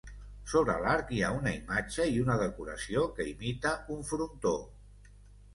Sobre l'arc hi ha una imatge i una decoració que imita un frontó.